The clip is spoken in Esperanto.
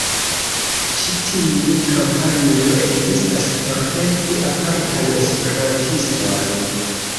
Ĉi tiu kampanjo ekzistas por helpi apartan Esperantiston